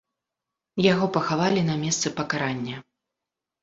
Яго пахавалі на месцы пакарання.